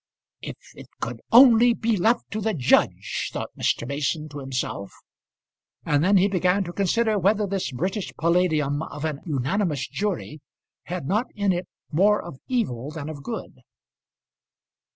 "If it could only be left to the judge," thought Mr. Mason to himself. And then he began to consider whether this British palladium of an unanimous jury had not in it more of evil than of good.